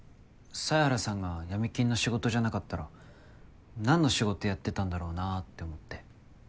犀原さんが闇金の仕事じゃなかったらなんの仕事やってたんだろうなって思って。